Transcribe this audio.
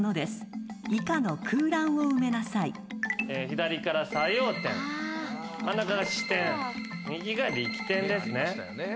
左から「作用点」真ん中が「支点」右が「力点」ですね。